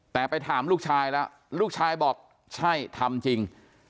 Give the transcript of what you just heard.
แต่ไปถามลูกชายแล้วลูกชายบอกใช่ทำจริง